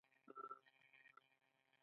د احصایې اداره نفوس څنګه شمیري؟